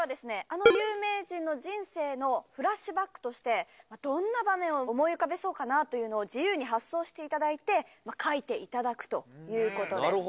あの有名人の人生のフラッシュバックとしてどんな場面を思い浮かべそうかなというのを自由に発想していただいて描いていただくということです